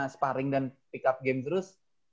sparring dan pick up games terus